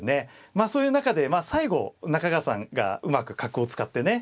まあそういう中で最後中川さんがうまく角を使ってね